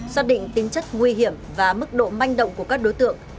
xác định tính chất nguy hiểm và mức độ manh động của các đối tượng